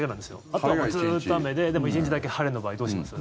あとはずっと雨ででも、１日だけ晴れの場合どうします？